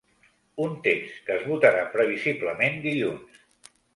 Un text que es votarà previsiblement dilluns.